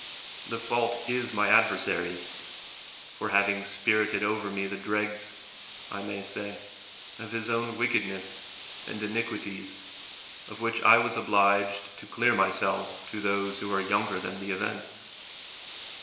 The fault is my adversary's, for having spirited over me the dregs, I may say, of his own wickedness and iniquities, of which I was obliged to clear myself to those who are younger than the events.